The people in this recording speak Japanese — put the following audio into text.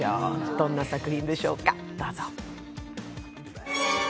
どんな作品でしょうか、どうぞ。